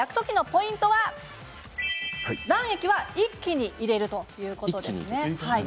ポイントは卵液は一気に入れるという。